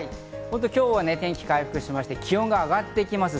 今日は天気が回復して気温が上がってきます。